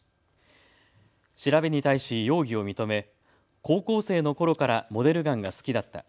調べに対し容疑を認め高校生のころからモデルガンが好きだった。